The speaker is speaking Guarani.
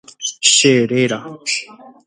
Cheréra.